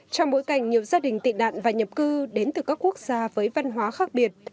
trong bối cảnh nhiều gia đình tị nạn và nhập cư đến từ các quốc gia với văn hóa khác biệt